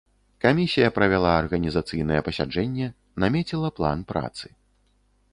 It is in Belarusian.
Камісія правяла арганізацыйнае пасяджэнне, намеціла план працы.